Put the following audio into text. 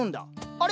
あれ？